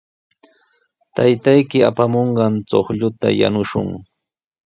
Taytayki apamunqan chuqlluta yanushun.